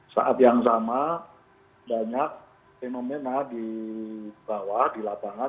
saat yang sama banyak fenomena di bawah di lapangan